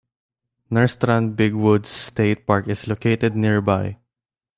Nerstrand-Big Woods State Park is located nearby.